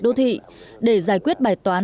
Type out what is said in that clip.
đô thị để giải quyết bài toán